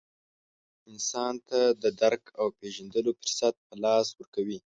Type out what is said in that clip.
انسان ته د درک او پېژندلو فرصت په لاس ورکوي.